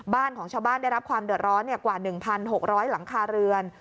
บ้านของชาวบ้านได้รับความเดือดร้อนกว่า๑๖๐๐หลังคาเรือน